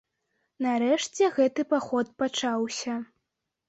Нарэшце гэты паход пачаўся.